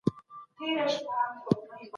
زده کوونکي په صنف کي په نوي میتودونو پوهېږي.